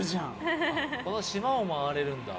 この島を回れるんだ。